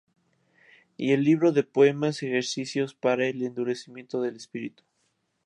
Y el libro de poemas "Ejercicios para el endurecimiento del espíritu".